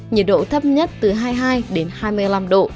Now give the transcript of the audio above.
nhiệt độ thấp nhất từ hai mươi hai đến hai mươi năm độ